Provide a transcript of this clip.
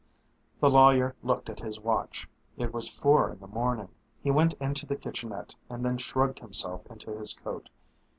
The lawyer looked at his watch. It was four in the morning. He went into the kitchenette and then shrugged himself into his coat.